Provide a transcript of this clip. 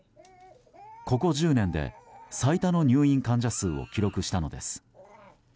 ここ１０年で最多の入院患者数を記録したのです。